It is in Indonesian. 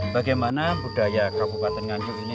bagaimana budaya kabupaten nganjuk ini